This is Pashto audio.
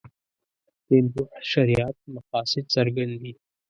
دین روح شریعت مقاصد څرګند دي.